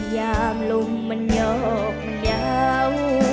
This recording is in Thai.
ยามลมมันหยอกมันยาว